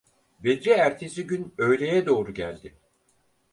Bedri ertesi gün öğleye doğru geldi.